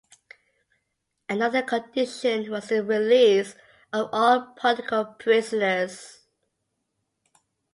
Another condition was the release of all political prisoners.